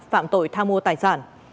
phạm tội tha mua tài sản